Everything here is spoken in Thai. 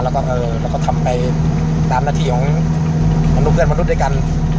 แล้วก็เราก็ทำไปตามหน้าที่ของมนุษย์เพื่อนมนุษย์ด้วยกัน